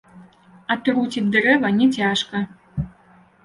Атруціць дрэва не цяжка.